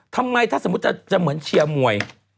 ถ้าสมมติจะเหมือนเชียร์มวย